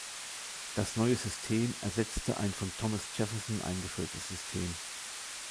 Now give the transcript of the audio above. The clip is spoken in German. Das neue System ersetzte ein von Thomas Jefferson eingeführtes System.